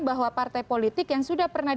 bahwa partai politik yang sudah pernah